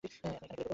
এখানেই করে দেবো।